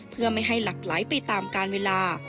เพื่อไม่ให้หลัดไหลไปตามการเวลา